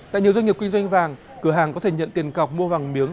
tại nhiều doanh nghiệp kinh doanh vàng cửa hàng có thể nhận tiền cọc mua vàng miếng